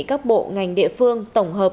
các bộ ngành địa phương tổng hợp